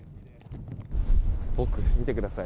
奥、見てください。